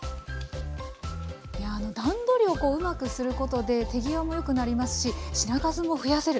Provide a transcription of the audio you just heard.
いや段取りをうまくすることで手際もよくなりますし品数も増やせる。